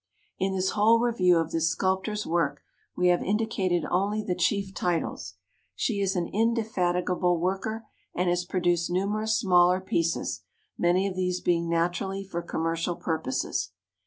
In this whole review of this sculptor's work we have indicated only the chief titles. She is an indefatigable worker and has produced numerous smaller pieces, many of these being naturally for commer cial purposes.